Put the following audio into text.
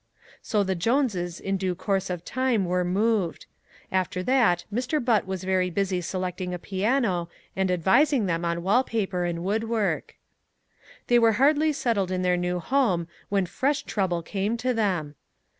So the Joneses in due course of time were moved. After that Mr. Butt was very busy selecting a piano, and advising them on wall paper and woodwork. They were hardly settled in their new home when fresh trouble came to them.